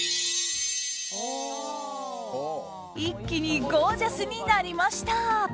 一気にゴージャスになりました！